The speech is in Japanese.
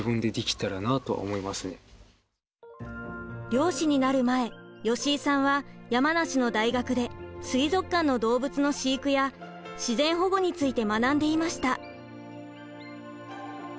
漁師になる前吉井さんは山梨の大学で水族館の動物の飼育や自然保護について学んでいました。